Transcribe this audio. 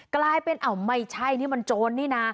กลายเป็นอ้าวไม่ใช่นี่มันโจรนี่นะ